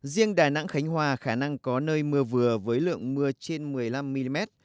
riêng đà nẵng khánh hòa khả năng có nơi mưa vừa với lượng mưa trên một mươi năm mm